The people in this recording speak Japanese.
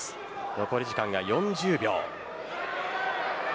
残り時間が４０秒。